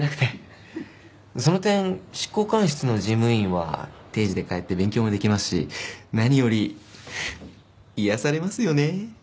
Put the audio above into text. その点執行官室の事務員は定時で帰って勉強もできますし何より癒やされますよねえ。